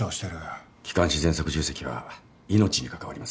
気管支ぜんそく重積は命に関わります。